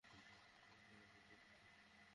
কি হইসে, শেখ?